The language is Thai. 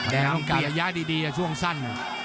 แดงกลายยาดีช่วงสั้น